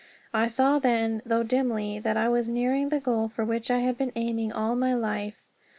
I saw then, though dimly, that I was nearing the goal for which I had been aiming all my life.